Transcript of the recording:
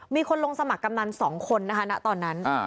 มีคนลงสมัครกำนัน๒คนนะคะณตอนนั้น